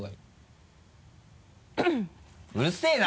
うるせぇな！